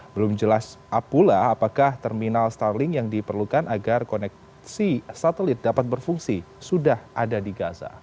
belum jelas apula apakah terminal starling yang diperlukan agar koneksi satelit dapat berfungsi sudah ada di gaza